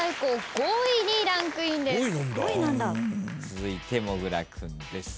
続いてもぐら君です。